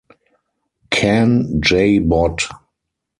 "Can J Bot".